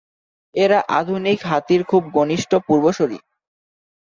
এঁরা আধুনিক হাতির খুব ঘনিষ্ঠ পূর্বসূরী।